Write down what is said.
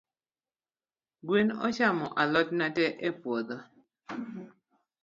Gwen ochamo alotna tee epuodho.